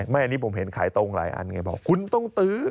ไม่อันนี้ผมเห็นขายตรงหลายอันไงบอกคุณต้องตื้อ